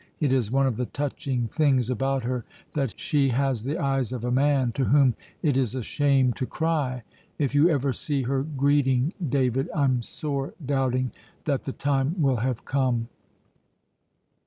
It is one of the touching things about her that she has the eyes of a man, to whom it is a shame to cry. If you ever see her greeting, David, I'm sore doubting that the time will have come."